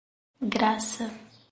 Graça